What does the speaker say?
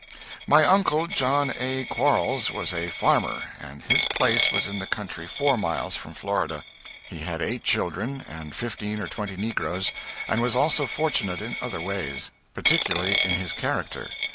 My uncle, John A. Quarles, was a farmer, and his place was in the country four miles from Florida. He had eight children, and fifteen or twenty negroes, and was also fortunate in other ways. Particularly in his character.